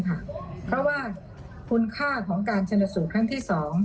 เพราะว่าคุณค่าของการชนสูตรครั้งที่๒